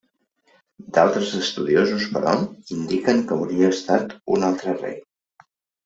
D'altres estudiosos, però, indiquen que hauria estat un altre rei.